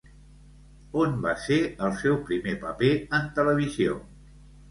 On va ser el seu primer paper en televisió?